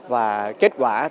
và kết quả